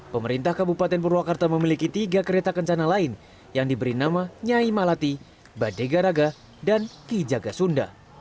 pemerintah kabupaten purwakarta memiliki tiga kereta kencana lain yang diberi nama nyai malati badegaraga dan ki jaga sunda